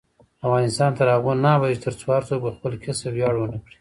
افغانستان تر هغو نه ابادیږي، ترڅو هر څوک په خپل کسب ویاړ ونه کړي.